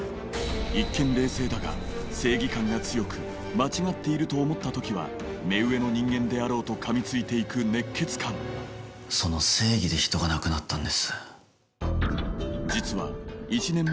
一見冷静だが正義感が強く間違っていると思った時は目上の人間であろうとかみついていく熱血漢その正義で人が亡くなったんです。